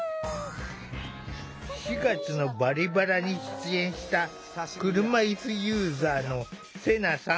４月の「バリバラ」に出演した車いすユーザーのセナさん。